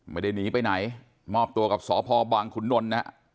ไม่ได้หนีไปไหนมอบตัวกับสพบางขุนนลนะฮะ